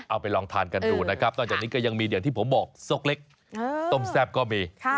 เอาไปลองทานกันดูนะครับนอกจากนี้ก็ยังมีอย่างที่ผมบอกซกเล็กต้มแซ่บก็มี